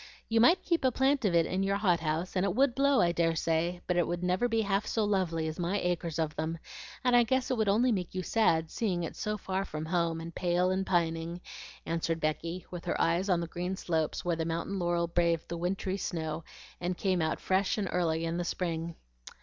You might keep a plant of it in your hot house, and it would blow I dare say; but it would never be half so lovely as my acres of them, and I guess it would only make you sad, seeing it so far from home, and pale and pining," answered Becky, with her eyes on the green slopes where the mountain laurel braved the wintry snow, and came out fresh and early in the spring.